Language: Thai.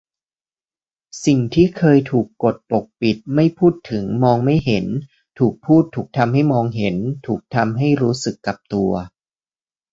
สิ่งที่เคยถูกกดปกปิดไม่พูดถึงมองไม่เห็น ถูกพูดถูกทำให้มองเห็น ถูกทำให้รู้สึกกับตัว